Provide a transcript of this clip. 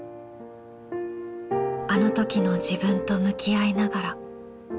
あのときの自分と向き合いながら。